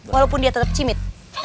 walaupun dia tetap cimit